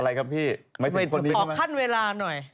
ออกขั้นเวลาหน่อย